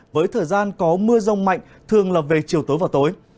với thời gian có mưa rông mạnh thường là về chiều tối và tối